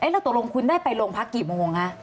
แล้วตกลงคุณได้ไปโรงพักกี่โมงคะ